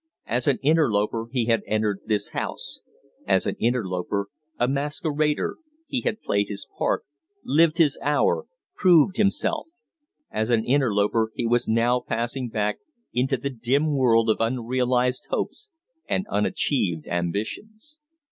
As an interloper he had entered this house; as an interloper a masquerader he had played his part, lived his hour, proved himself; as an interloper he was now passing back into the dim world of unrealized hopes and unachieved ambitions.